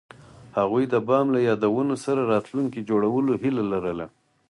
هغوی د بام له یادونو سره راتلونکی جوړولو هیله لرله.